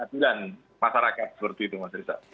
dan masyarakat seperti itu mas riza